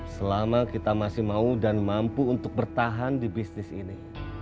selama kita masih mau dan mampu untuk bertahan di bisnis ini